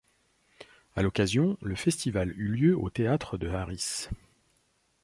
À l'occasion, le festival eut lieu au Théâtre de Harris.